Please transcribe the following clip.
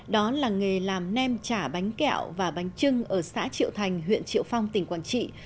đó là nghề làm nem chả bánh kẹo và bánh trưng ở xã triệu thành huyện triệu phong tỉnh quảng trị